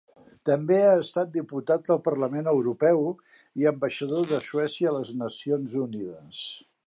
També ha estat diputat al Parlament Europeu i ambaixador de Suècia a les Nacions Unides.